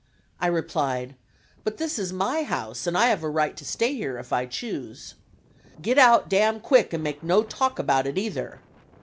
I replied: "But this is my house and I have a right to stay here if I choose." "Get out d n quick, and make no talk about it, either!"